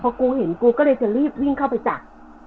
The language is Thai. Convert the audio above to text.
พอกูเห็นกูก็เลยจะรีบวิ่งเข้าไปจับ